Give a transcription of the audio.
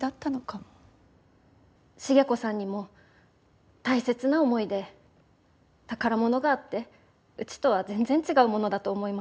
重子さんにも大切な思い出宝物があってうちとは全然違うものだと思います。